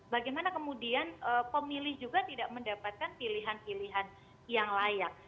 bagaimana kemudian pemilih juga tidak mendapatkan pilihan pilihan yang layak